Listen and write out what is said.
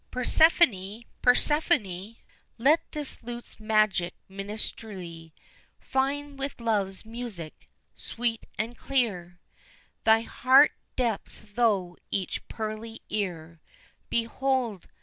Persephone! Persephone! Let this lute's magic minstrelsy Find with love's music, sweet and clear, Thy heart depths through each pearly ear: Behold!